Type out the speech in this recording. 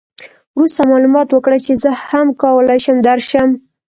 وروسته معلومات وکړه چې زه هم کولای شم درشم.